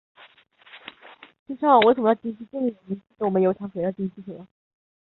刺萼秀丽莓为蔷薇科悬钩子属下的一个变种。